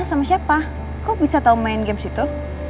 sama siapa kok bisa tau main games itu